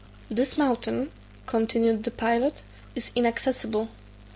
"This mountain," continued the pilot, "is inaccessible.